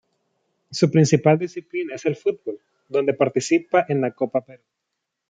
Su principal disciplina es el fútbol donde participa en la Copa Perú.